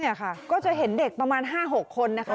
เนี่ยค่ะก็จะเห็นเด็กประมาณ๕๖คนนะคะ